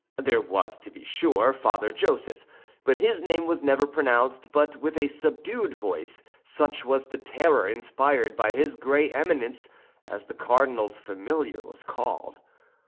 There was, to be sure, Father Joseph, but his name was never pronounced but with a subdued voice, such was the terror inspired by his Gray Eminence, as the cardinal's familiar was called.